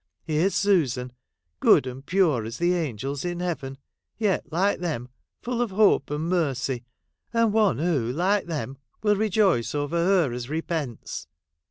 Here's Susan, good and pure as the angels in heaven, yet, like them, full of hope and mercy, and one who, like them, will rejoice over her as repents.